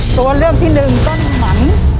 ตัวเลือกที่หนึ่งต้นหมัน